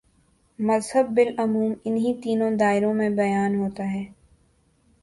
مذہب بالعموم انہی تینوں دائروں میں بیان ہوتا ہے۔